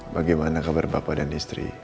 bagaimana kabar bapak dan istri